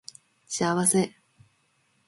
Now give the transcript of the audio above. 幸せ